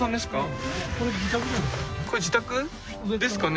これ自宅？ですかね？